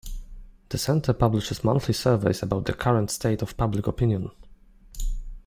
The center publishes monthly surveys about the current state of public opinion.